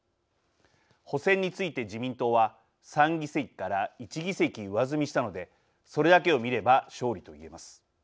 補選について自民党は３議席から１議席上積みしたのでそれだけを見れば勝利と言えます。